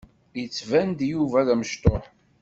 Yettban-d Yuba d amecṭuḥ.